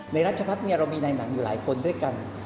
รัชพัฒน์เรามีในหนังอยู่หลายคนด้วยกัน